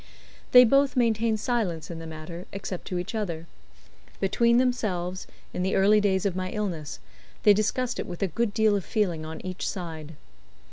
They both maintained silence in the matter, except to each other. Between themselves, in the early days of my illness, they discussed it with a good deal of feeling on each side.